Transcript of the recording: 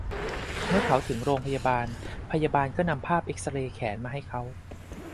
เมื่อเขาถึงโรงพยาบาล พยาบาลก็นำภาพเอ็กซเรย์แขนมาให้เขา